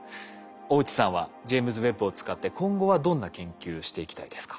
大内さんはジェイムズ・ウェッブを使って今後はどんな研究していきたいですか？